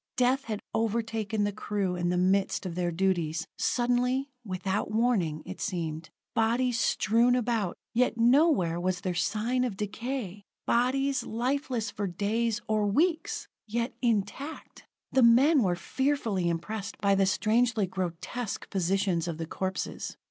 Death had overtaken the crew in the midst of their duties, suddenly, without warning, it seemed. Bodies strewn about yet nowhere was there sign of decay! Bodies, lifeless for days, or weeks yet intact! The men were fearfully impressed by the strangely grotesque positions of the corpses.